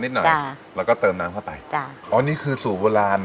หน่อยจ้ะแล้วก็เติมน้ำเข้าไปจ้ะอ๋อนี่คือสูตรโบราณ